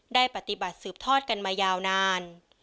ได้ปฏิบัติสืบทอดกันมายาวนาน